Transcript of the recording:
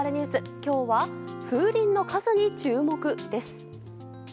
今日は、風鈴の数に注目です。